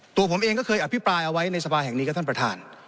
ตัวผมเองก็เคยอภิปรายเอาไว้ในสภาแห่งนี้ครับท่านประธาน